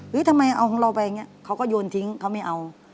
เฮ้ยทำไมเอาของเราไปเนี่ยเค้าก็โยนทิ้งเค้าไม่เอา